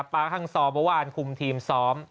ฮังซอร์เมื่อวานคุมทีมซ้อม